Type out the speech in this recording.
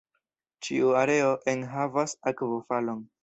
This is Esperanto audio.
Ĉiu areo enhavas akvofalon.